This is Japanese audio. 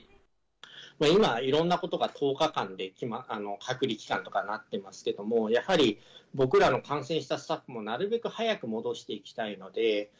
今、いろんなことが１０日間で隔離期間とかなってますけれども、やはり僕らの感染したスタッフもなるべく早く戻していきたいので。